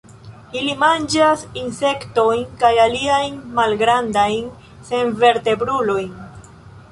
Ili manĝas insektojn kaj aliajn malgrandajn senvertebrulojn.